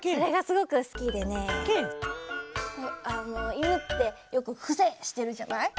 いぬってよく「ふせ」してるじゃない？